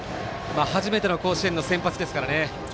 初めての甲子園の先発ですからね。